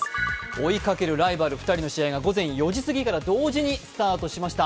追いかけるライバル２人の試合が午前４時から同時にスタートしました。